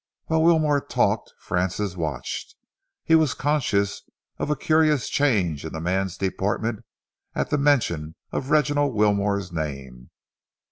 While Wilmore talked, Francis watched. He was conscious of a curious change in the man's deportment at the mention of Reginald Wilmore's name.